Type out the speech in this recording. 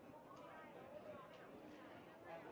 โปรดติดตามต่อไป